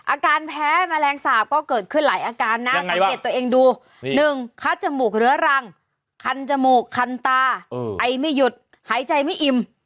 อาการแพ้แมลงสาปก็เกิดขึ้นหลายอาการนะสังเกตตัวเองดู๑คัดจมูกเรื้อรังคันจมูกคันตาไอไม่หยุดหายใจไม่อิ่ม